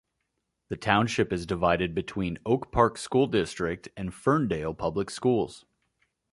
The township is divided between Oak Park School District and Ferndale Public Schools.